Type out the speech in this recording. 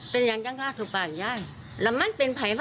เป็นนางจังครับทุกบรรณค์ปลอดภัย